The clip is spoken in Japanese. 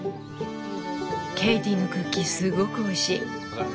ケイティのクッキーすごくおいしい。